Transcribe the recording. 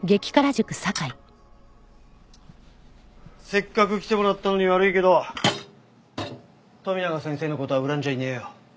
せっかく来てもらったのに悪いけど富永先生の事は恨んじゃいねえよ。